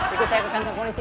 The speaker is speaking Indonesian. ikut saya tekan kondisi